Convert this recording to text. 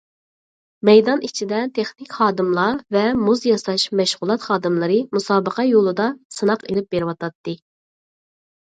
مەيدان ئىچىدە، تېخنىك خادىملار ۋە مۇز ياساش مەشغۇلات خادىملىرى مۇسابىقە يولىدا سىناق ئېلىپ بېرىۋاتاتتى.